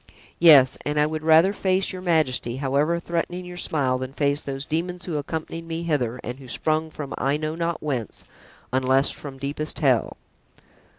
Yes, and I would rather face your majesty, however threatening your smile, than face those demons who accompanied me hither and who sprung from I know not whence, unless from deepest hell."